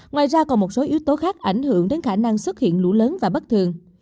ngoài ra còn một số yếu tố khác ảnh hưởng đến khả năng xuất hiện lũ lớn và bất thường